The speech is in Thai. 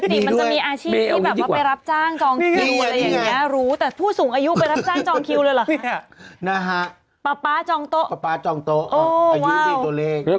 น่าจะเล่นน่าเป็นอาชีพน้อย